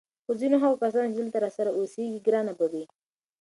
خو ځینو هغه کسانو ته چې دلته راسره اوسېږي ګرانه به وي